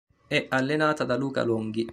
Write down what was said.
È allenata da Luca Longhi.